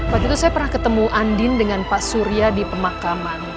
waktu itu saya pernah ketemu andin dengan pak surya di pemakaman